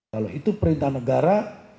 kalau itu perintah negara